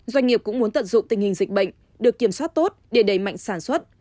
doanh nghiệp cũng muốn tận dụng tình hình dịch bệnh được kiểm soát tốt để đẩy mạnh sản xuất